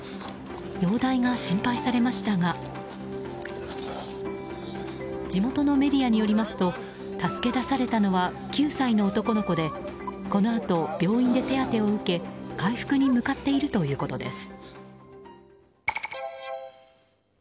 容体が心配されましたが地元のメディアによりますと助け出されたのは９歳の男の子でこのあと病院で手当てを受け回復に向かっているということです。